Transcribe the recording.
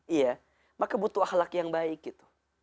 iya maka butuh ahlak yang baik gitu